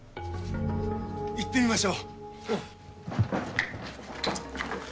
行ってみましょう。